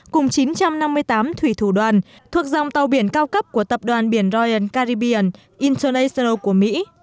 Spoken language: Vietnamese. cùng chín trăm năm mươi tám thủy thủ đoàn thuộc dòng tàu biển cao cấp của tập đoàn biển royal caribbean international của mỹ